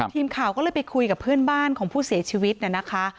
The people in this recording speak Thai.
ทีมข่าวก็เลยไปคุยกับเพื่อนบ้านของผู้เสียชีวิตนะคะ